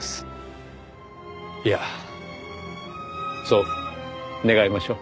いやそう願いましょう。